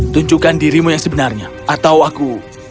tunjukkan dirimu yang sebenarnya atau aku